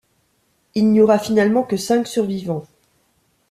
Il n'y aura finalement que cinq survivants.